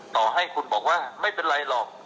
ต่อให้คุณบอกว่าไม่เป็นไรหรอก